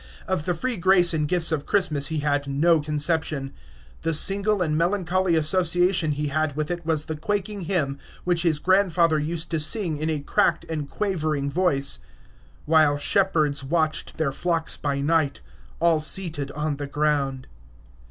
Of the free grace and gifts of Christmas he had no conception. The single and melancholy association he had with it was the quaking hymn which his grandfather used to sing in a cracked and quavering voice: "While shepherds watched their flocks by night, All seated on the ground."